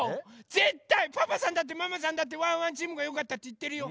ぜったいパパさんだってママさんだってワンワンチームがよかったっていってるよ。